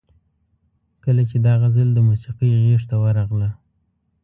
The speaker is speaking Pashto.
کله چې دا غزل د موسیقۍ غیږ ته ورغله.